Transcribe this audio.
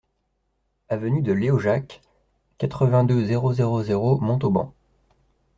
Avenue de Léojac, quatre-vingt-deux, zéro zéro zéro Montauban